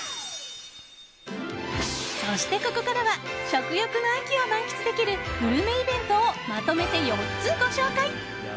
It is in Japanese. そして、ここからは食欲の秋を満喫できるグルメイベントをまとめて４つご紹介！